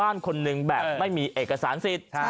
ท่านพรุ่งนี้ไม่แน่ครับ